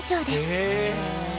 へえ！